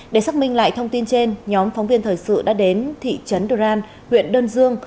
để xác minh lại thông tin trên nhóm phóng viên thời sự đã đến thị trấn đran huyện đơn dương